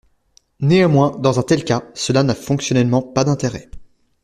Néanmoins, dans un tel cas, cela n'a fonctionnellement pas d'intérêt.